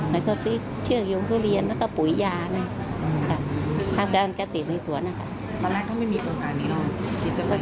แล้วก็ซื้อเชือกยมทุเรียนแล้วก็ปุ๋ยาทำการแก้ติดในสวน